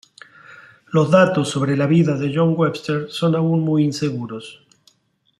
Los datos sobre la vida de John Webster son aún muy inseguros.